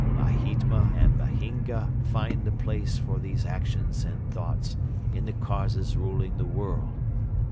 Mahytma and Mahynga find the place for these actions and thoughts in the causes ruling the world.